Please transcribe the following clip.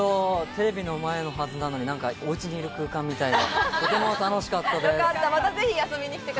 テレビの前のはずなのにお家にいる空間みたいで、とても楽しかったです。